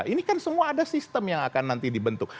ini kan semua ada sistem yang akan nanti dibentuk